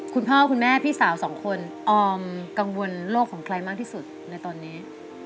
คุณพ่อคุณแม่พี่สาวสองคนออมกังวลโลกของใครมากที่สุดในตอนนี้